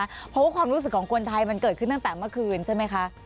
เพราะว่าความรู้สึกของคนไทยมันเกิดขึ้นตั้งแต่เมื่อคืนใช่ไหมคะ